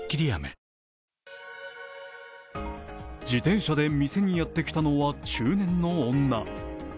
自転車で店にやってきたのは中年の女。